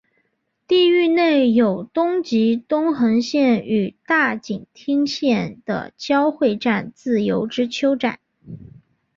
地域内有东急东横线与大井町线的交会站自由之丘站。